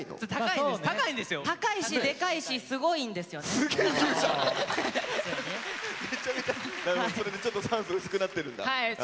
なるほどそれでちょっと酸素薄くなってるんだ。